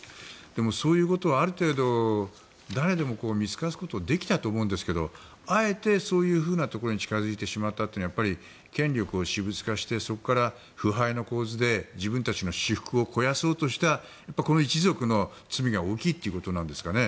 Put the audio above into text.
でも、そういうことはある程度、誰でも見透かすことはできたと思うんですけどあえてそういうところに近付いてしまったというのは権力を私物化してそこから腐敗の構図で自分たちの私腹を肥やそうとした一族の罪が大きいということなんですかね。